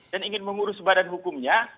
dan ingin mengurus badan hukumnya